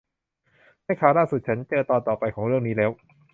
ในข่าวล่าสุด ฉันเจอตอนต่อไปของเรื่องนี้แล้ว